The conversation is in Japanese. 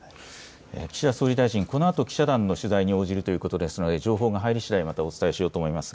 岸田総理大臣、このあと記者団の取材に応じるということですので情報が入りしだいまたお伝えしようと思います。